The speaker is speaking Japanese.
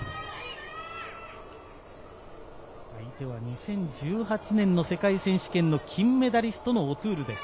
相手は２０１８年の世界選手権の金メダリスト、オトゥールです。